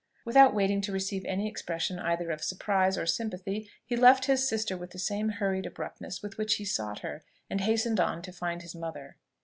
Without waiting to receive any expression either of surprise or sympathy, he left his sister with the same hurried abruptness with which he sought her, and hastened on to find his mother.